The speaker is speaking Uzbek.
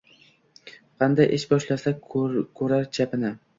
Qanday ish boshlasa ko’rar chapini.